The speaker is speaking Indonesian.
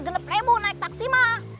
gede ribu naik taksi ma